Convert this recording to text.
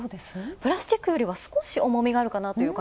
プラスチックよりは少し重みがある。